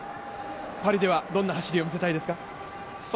パリではどんな走りを見せたいですか？